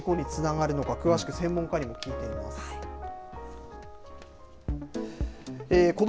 これ、どうして事故につながるのか詳しく専門家にも聞いています。